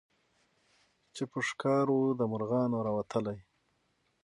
چي په ښکار وو د مرغانو راوتلی